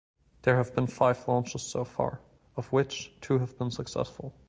There have been five launches so far, of which two have been successful.